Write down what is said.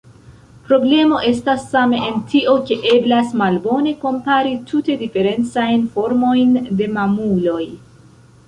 Problemo estas same en tio, ke eblas malbone kompari tute diferencajn formojn de mamuloj.